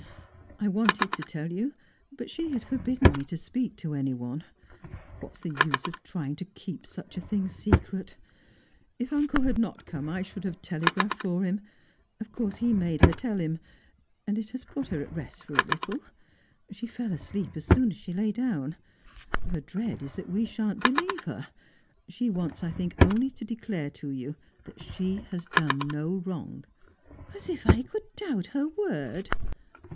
"I wanted to tell you, but she had forbidden me to speak to anyone. What's the use of trying to keep such a thing secret? If uncle had not come, I should have telegraphed for him. Of course he made her tell him, and it has put her at rest for a little; she fell asleep as soon as she lay down. Her dread is that we shan't believe her. She wants, I think, only to declare to you that she has done no wrong." "As if I could doubt her word!"